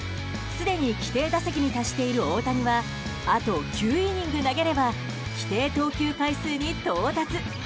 すでに規定打席に達している大谷はあと９イニング投げれば規定投球回数に到達。